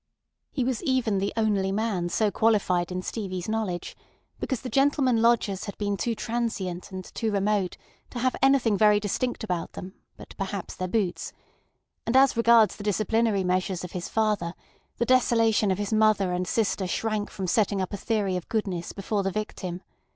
He was even the only man so qualified in Stevie's knowledge, because the gentlemen lodgers had been too transient and too remote to have anything very distinct about them but perhaps their boots; and as regards the disciplinary measures of his father, the desolation of his mother and sister shrank from setting up a theory of goodness before the victim.